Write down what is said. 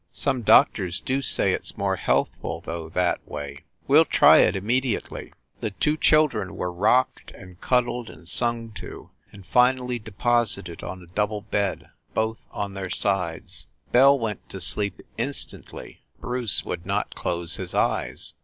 Some doctors do say it s more healthful, though, that way. We ll try it im mediately." The two children were rocked and cuddled and THE BREWSTER MANSION 337 sung to, and finally deposited on a double bed, both on their sides. Belle went to sleep instantly ; Bruce would not close his eyes.